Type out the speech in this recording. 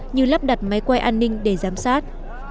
như lắp đặt máy quay an ninh để giám sát